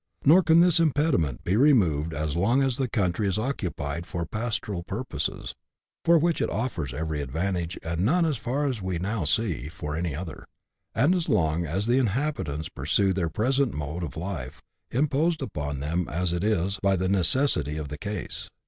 Nor can this impediment be removed as long as the country is occupied for pastoral purposes, (for which it offers every advantage, and none, as far as we now see, for any other,) and as long as the inhabitants pursue their present mode of life, imposed on them as it is by the necessity of the case.